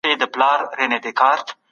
روښانه فکر انرژي نه زیانمنوي.